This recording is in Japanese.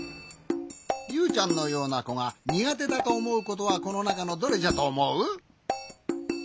ユウちゃんのようなこがにがてだとおもうことはこのなかのどれじゃとおもう？